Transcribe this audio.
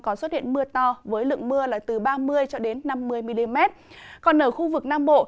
có xuất hiện mưa to với lượng mưa từ ba mươi năm mươi mm còn ở khu vực nam bộ